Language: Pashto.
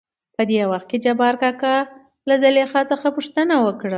.په دې وخت کې جبارکاکا له زليخا څخه پوښتنه وکړ.